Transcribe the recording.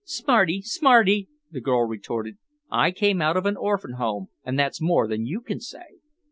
"Smarty, smarty!" the girl retorted, "I came out of an orphan home and that's more than you can say."